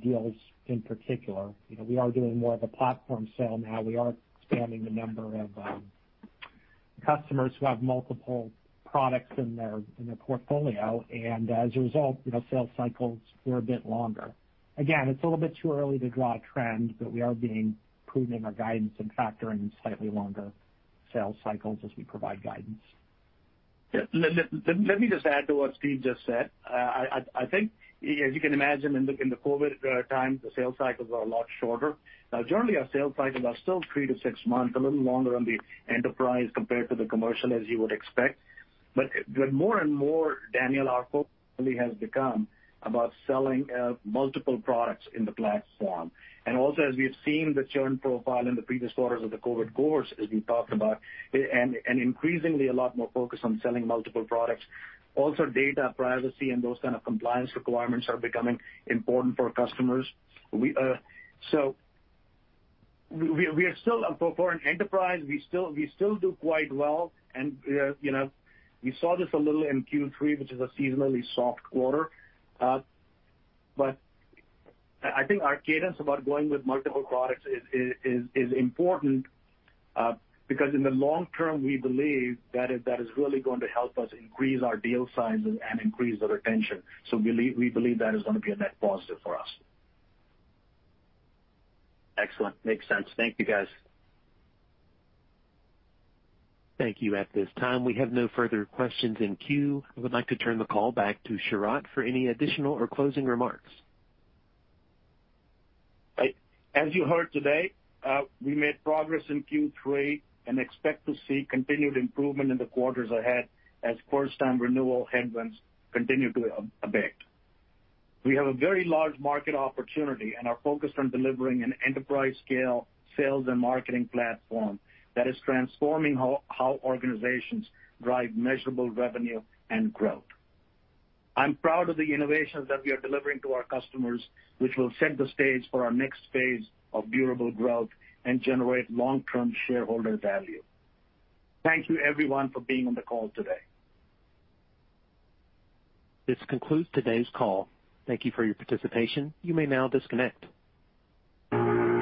deals in particular. You know, we are doing more of a platform sale now. We are expanding the number of customers who have multiple products in their portfolio. And as a result, you know, sales cycles were a bit longer. Again, it's a little bit too early to draw a trend, but we are being prudent in our guidance and factoring slightly longer sales cycles as we provide guidance. Yeah. Let me just add to what Steve just said. I think, as you can imagine, in the COVID times, the sales cycles are a lot shorter. Now, generally, our sales cycles are still three to six months, a little longer on the enterprise compared to the commercial, as you would expect. The more and more, Daniel, our focus really has become about selling multiple products in the platform. Also, as we have seen the churn profile in the previous quarters of the COVID, of course, as we talked about, increasingly a lot more focused on selling multiple products. Also, data privacy and those kind of compliance requirements are becoming important for customers. For an enterprise, we still do quite well. You know, we saw this a little in Q3, which is a seasonally soft quarter. But I think our cadence about going with multiple products is important, because in the long term, we believe that is really going to help us increase our deal sizes and increase the retention. We believe that is gonna be a net positive for us. Excellent. Makes sense. Thank you, guys. Thank you. At this time, we have no further questions in queue. I would like to turn the call back to Sharat for any additional or closing remarks. As you heard today, we made progress in Q3 and expect to see continued improvement in the quarters ahead as first-time renewal headwinds continue to abate. We have a very large market opportunity and are focused on delivering an enterprise-scale sales and marketing platform that is transforming how organizations drive measurable revenue and growth. I'm proud of the innovations that we are delivering to our customers, which will set the stage for our next phase of durable growth and generate long-term shareholder value. Thank you, everyone, for being on the call today. This concludes today's call. Thank you for your participation. You may now disconnect.